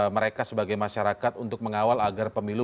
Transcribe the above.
mereka sebagai masyarakat untuk mengawal agar pemilu